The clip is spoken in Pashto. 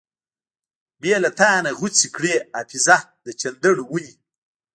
بې لتانۀ غوڅې کړې حافظه د چندڼو ونې